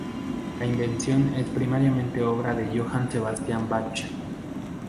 La invención es primariamente obra de Johann Sebastian Bach.